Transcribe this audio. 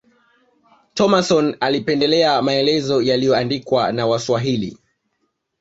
Thomason alipendelea maelezo yaliyoandikwa na waswahili